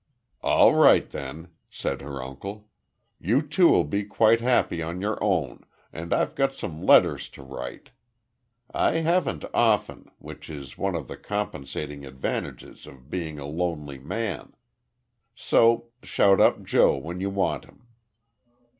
"All right, then," said her uncle. "You two will be quite happy on your own, and I've got some letters to write. I haven't often, which is one of the compensating advantages of being a lonely man. So shout up Joe when you want him."